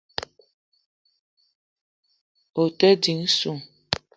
O te di dzeu